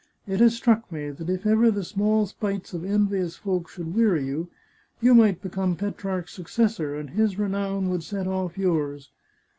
It has struck me that if ever the small spites of envious folk should weary you, you might become Petrarch's successor, and his renown would set off yours."